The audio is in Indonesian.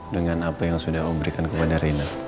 dengan apa yang sudah om berikan kepada reina